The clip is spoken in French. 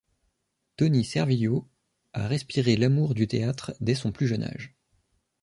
Toni Servillo a respiré l’amour du théâtre dès son plus jeune âge.